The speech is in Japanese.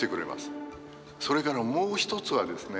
それからもう一つはですね